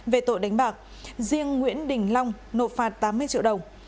về tội đánh bạc riêng nguyễn đình long nộp phạt tám mươi triệu đồng